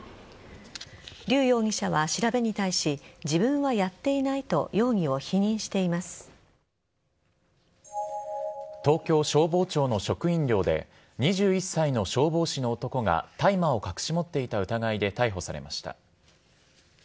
リュウ容疑者は調べに対し自分はやっていないと東京消防庁の職員寮で２１歳の消防士の男が大麻を隠し持っていた疑いで逮捕されました。